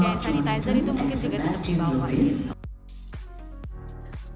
kayak sanitizer itu mungkin juga tetap dibawah